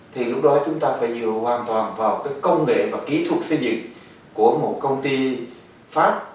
thì lúc đó chúng ta phải dựa hoàn toàn vào công nghệ và kỹ thuật xây dựng của một công ty pháp